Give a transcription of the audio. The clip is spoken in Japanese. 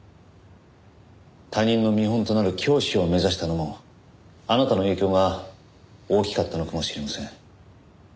他人の見本となる教師を目指したのもあなたの影響が大きかったのかもしれません。